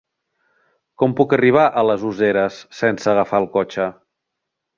Com puc arribar a les Useres sense agafar el cotxe?